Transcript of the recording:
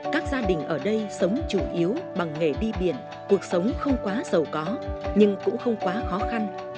các gia đình ở đây sống chủ yếu bằng nghề đi biển cuộc sống không quá giàu có nhưng cũng không quá khó khăn